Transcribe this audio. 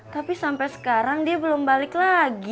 tapi sampai sekarang dia belum balik lagi